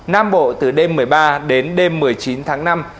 nam bộ từ đêm một mươi ba đến đêm một mươi chín tháng năm